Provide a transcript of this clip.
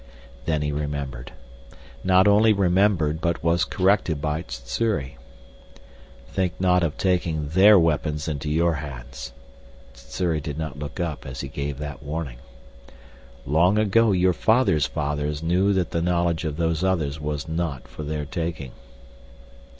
Then he remembered not only remembered but was corrected by Sssuri. "Think not of taking their weapons into your hands." Sssuri did not look up as he gave that warning. "Long ago your fathers' fathers knew that the knowledge of Those Others was not for their taking."